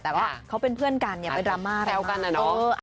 แต่ว่าเขาเป็นเพื่อนกันไปรัมม่าแล้วกัน